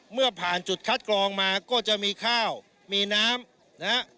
เมื่อผ่านจุดคัดกรองมาก็จะมีข้าวมีน้ำนะฮะ